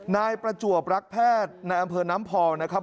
นายประจวบรักแพทย์ในอำเภอน้ำพองนะครับ